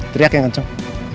teriak yang kenceng